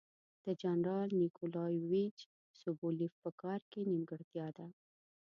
د جنرال نیکولایویچ سوبولیف په کار کې نیمګړتیا ده.